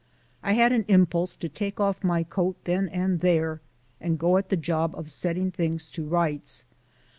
I had an impulse to take off my coat then and there and go at the job of setting things to rights.